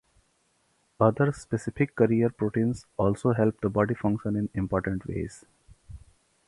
Other specific carrier proteins also help the body function in important ways.